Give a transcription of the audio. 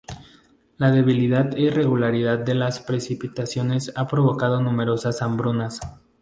La debilidad e irregularidad de las precipitaciones ha provocado numerosas hambrunas.